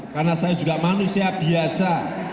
karena saya juga manusia biasa